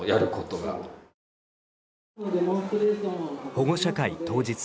保護者会当日。